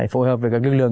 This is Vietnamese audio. phối hợp với các lực lượng